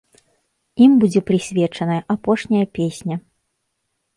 Ім будзе прысвечаная апошняя песня.